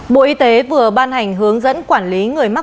bộ y tế vừa ban hành hướng dẫn quản lý tài sản